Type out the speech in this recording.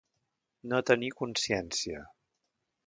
No tenir consciència.